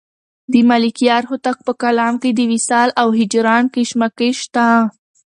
د ملکیار هوتک په کلام کې د وصال او هجران کشمکش شته.